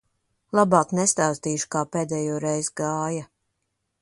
Labāk nestāstīšu, kā pēdējoreiz gāja.